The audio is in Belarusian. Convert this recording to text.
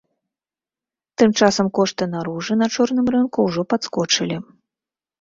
Тым часам, кошты на ружы на чорным рынку ўжо падскочылі.